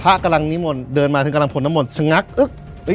พระกำลังนิ่มหมดเดินมาถึงกำลังผลทำมนต์หมดฉะงักอุ๊ย